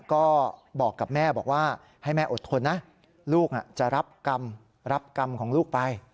ก็บอกกับแม่บอกว่าให้แม่อดทนนะลูกจะรับกรรมรับกรรมของลูกไป